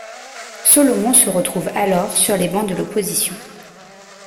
Solomon se retrouve alors sur les bancs de l'opposition.